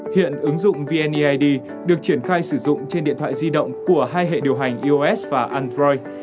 hiện ứng dụng vneid được triển khai sử dụng trên điện thoại di động của hai hệ điều hành ios và android